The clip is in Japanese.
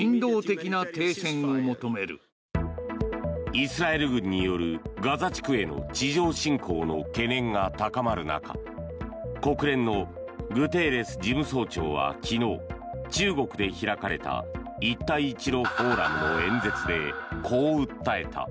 イスラエル軍によるガザ地区への地上侵攻の懸念が高まる中国連のグテーレス事務総長は昨日中国で開かれた一帯一路フォーラムの演説でこう訴えた。